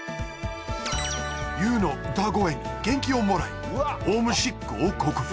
ＹＯＵの歌声に元気をもらいホームシックを克服